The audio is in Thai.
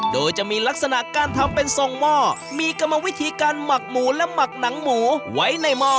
โดยจะมีลักษณะการทำเป็นทรงหม้อมีกรรมวิธีการหมักหมูและหมักหนังหมูไว้ในหม้อ